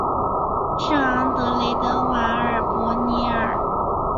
圣昂德雷德瓦尔博尔尼。